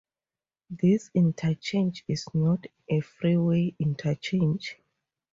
This interchange is not a freeway interchange.